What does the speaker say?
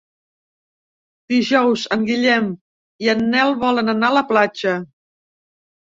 Dijous en Guillem i en Nel volen anar a la platja.